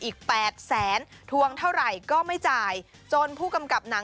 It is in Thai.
ติดสร้างหัวมะละลาย